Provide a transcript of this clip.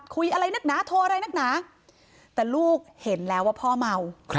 คุยอะไรนักหนาโทรอะไรนักหนาแต่ลูกเห็นแล้วว่าพ่อเมา